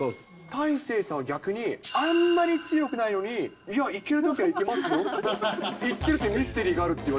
大勢さんは逆に、あんまり強くないのに、いや、いけるときはいけますよって言ってるっていうミステリーがあるっ